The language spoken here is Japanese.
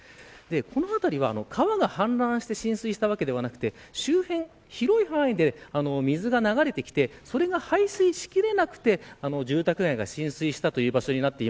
この辺りは川が氾濫して浸水したわけではなくて周辺、広い範囲で水が流れてきてそれが排水しきれなくて住宅街が浸水したという場所です。